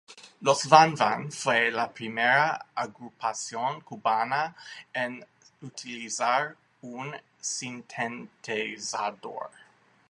Los Van Van fue la primera agrupación cubana en utilizar un sintetizador.